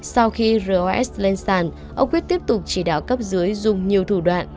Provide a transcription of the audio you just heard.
sau khi ros lên sàn ông quyết tiếp tục chỉ đạo cấp dưới dùng nhiều thủ đoạn